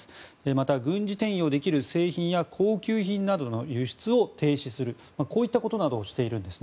また、軍事転用できる製品や高級品などの輸出を停止するということなどをしているんです。